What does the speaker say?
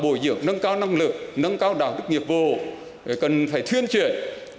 hào tạo bồi dưỡng nâng cao năng lực nâng cao đạo đức nghiệp vô cần phải thuyên truyền